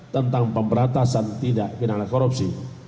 tentang pemberantasan tidak pinalah korupsi